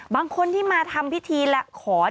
บางคนที่มาทำพิธีและขอ